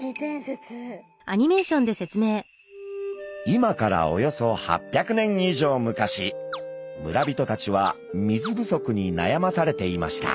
今からおよそ８００年以上昔村人たちは水不足になやまされていました。